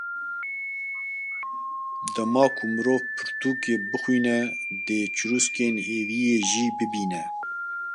Dema ku mirov pirtûkê bixwîne, dê çirûskên hêviyê jî bibîne ….